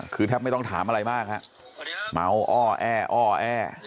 คือแทบไม่ต้องถามอะไรมากฮะเมาอ้อแอ้อแอ